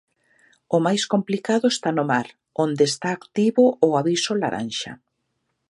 O máis complicado está no mar, onde está activo o aviso laranxa.